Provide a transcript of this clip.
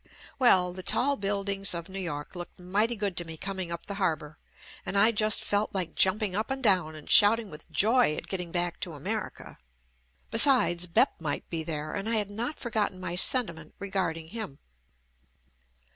Well, the tall buildings of New York looked mighty good to me coming up the harbor and I just felt like jumping up and down and shouting with joy at getting back to America. Besides "Bep" might be there, and I had not forgotten my sentiment regarding him.